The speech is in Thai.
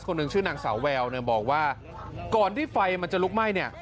คนหนึ่งชื่อนางสาวแววบอกว่าก่อนที่ไฟมันจะลุกไหม้